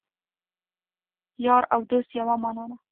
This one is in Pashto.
یار او دوست یوه معنی